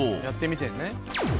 やってみてんね。